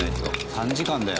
３時間だよ。